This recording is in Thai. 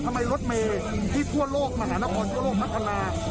ทำไมรถเมทที่ทั่วโลกมหาละครทั่วโลกพัฒนา